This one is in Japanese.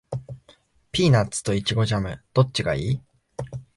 ピーナッツとイチゴジャム、どっちがいい？